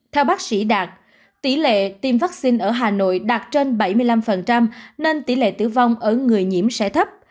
theo bác sĩ đạt tỷ lệ tiêm vaccine ở hà nội đạt trên bảy mươi năm nên tỷ lệ tử vong ở người nhiễm sẽ thấp